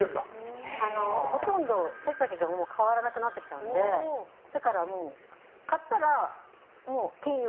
ほとんど背丈が変わらなくなってきたので買ったら、もう兼用。